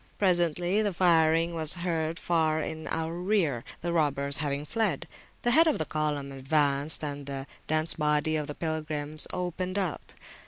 Presently the firing was heard far in our rear, the robbers having fled. The head of the column advanced, and the dense body of pilgrims opened out.